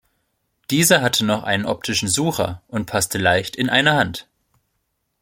Diese hatte noch einen optischen Sucher und passte leicht in eine Hand.